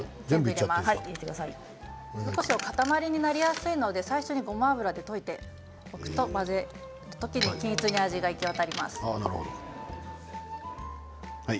ゆずこしょうは塊になりやすいので最初にごま油で溶いておくと混ぜる時に均一に味が行き渡ります。